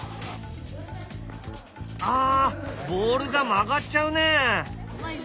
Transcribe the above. ああボールが曲がっちゃうね。